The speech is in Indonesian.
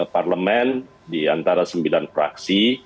parlemen di antara sembilan fraksi